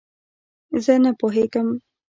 زۀ نۀ پوهېږم.